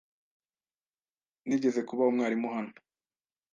Nigeze kuba umwarimu hano.